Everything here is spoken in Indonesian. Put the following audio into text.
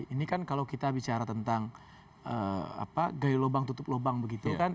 ini kan kalau kita bicara tentang gaya lubang tutup lubang begitu kan